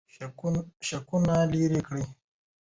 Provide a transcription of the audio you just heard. شکونه لرې کړئ.